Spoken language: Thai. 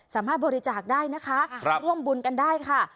สามารถบริจาคได้นะคะร่วมบุญกันได้ค่ะ